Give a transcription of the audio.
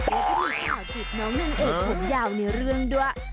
แล้วก็มีข่าวจีบน้องนางเอกผมยาวในเรื่องด้วย